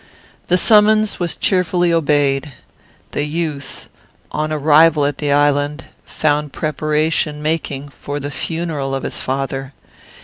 "The summons was cheerfully obeyed. The youth, on his arrival at the island, found preparation making for the funeral of his father.